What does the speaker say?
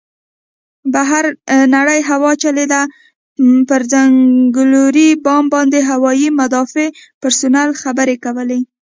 بهر نرۍ هوا چلېده، پر څنګلوري بام باندې هوايي مدافع پرسونل خبرې کولې.